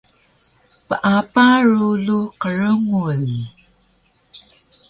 Peapa rulu qrngul